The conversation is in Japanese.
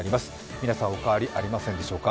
皆さん、お変わりありませんでしょうか。